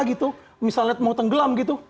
gitu misalnya mau tenggelam gitu